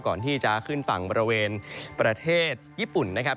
ก่อนที่จะขึ้นฝั่งบริเวณประเทศญี่ปุ่นนะครับ